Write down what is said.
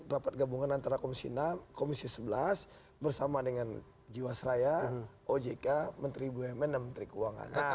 rapat gabungan antara komisi enam komisi sebelas bersama dengan jiwasraya ojk menteri bumn dan menteri keuangan